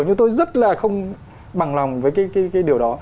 nhưng tôi rất là không bằng lòng với cái điều đó